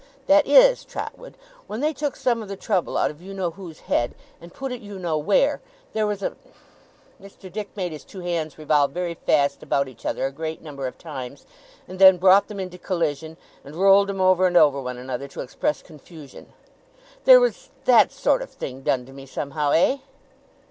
'That is, Trotwood, when they took some of the trouble out of you know who's head, and put it you know where, there was a ' Mr. Dick made his two hands revolve very fast about each other a great number of times, and then brought them into collision, and rolled them over and over one another, to express confusion. 'There was that sort of thing done to me somehow. Eh?